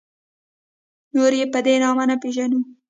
نور یې په دې نامه نه پېژنو.